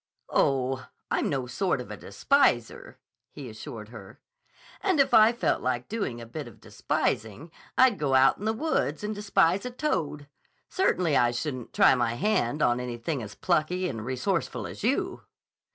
"Oh, I'm no sort of a despiser," he assured her. "And if I felt like doing a bit of despising, I'd go out in the woods and despise a toad. Certainly I shouldn't try my hand on anything as plucky and resourceful as you."